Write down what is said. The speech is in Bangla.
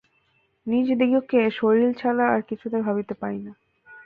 নিজদিগকে শরীর ছাড়া আর কিছু ভাবিতে পারি না।